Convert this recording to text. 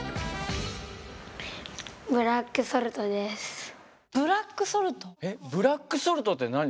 ブラックソルトって何？